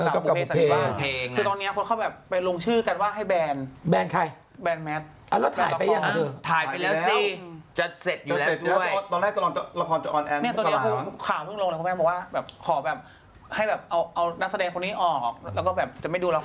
แล้วก็แบบจะไม่ดูละครอะไรอย่างเงี้ย